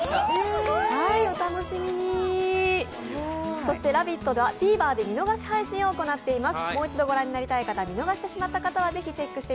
そして「ラヴィット！」はＴＶｅｒで見逃し配信を行っています。